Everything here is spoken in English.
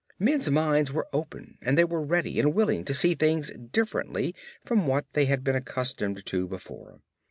Men's minds were open and they were ready and willing to see things differently from what they had been accustomed to before.